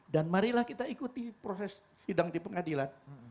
dan marilah kita ikuti proses sidang di pengadilan